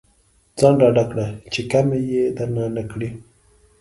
ځان ډاډه کړه چې کمې درنه نه کړي.